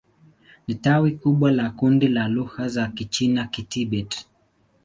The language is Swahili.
Ni tawi kubwa la kundi la lugha za Kichina-Kitibet.